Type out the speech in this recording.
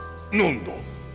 何だ？